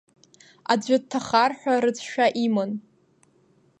Аӡәы дҭахар ҳәа рыцәшәа иман.